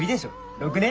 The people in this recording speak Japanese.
６年？